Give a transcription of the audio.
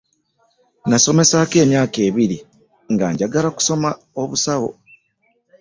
Nasomesaako emyaka ebbiri nga njagala kusoma obusawo.